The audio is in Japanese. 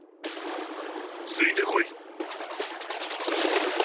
ついてこい。